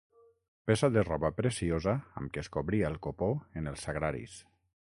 Peça de roba preciosa amb què es cobria el copó en els sagraris.